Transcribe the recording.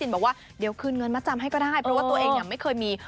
พี่จินบอกว่าเดี๋ยวขืนเงินมาจำให้ก็ได้